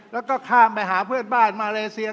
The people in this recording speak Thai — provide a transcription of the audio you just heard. แล้วก็ข้ามไปหาเพื่อนบ้านมาเลเซีย